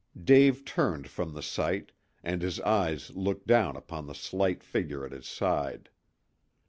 Dave turned from the sight, and his eyes looked down upon the slight figure at his side.